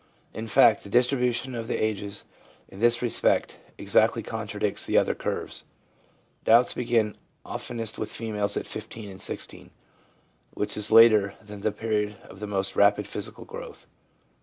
In fact, the distribution of the ages in this respect exactly contradicts the other curves. Doubts begin oftenest with females at 15 and 16, which is later than the period of most rapid physical growth.